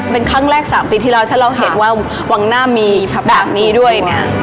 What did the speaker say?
เป็นครั้งแรก๓ปีที่แล้วที่เราเห็นว่าวังหน้ามีพระพระสูงด้วย